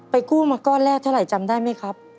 กู้มาก้อนแรกเท่าไหร่จำได้ไหมครับ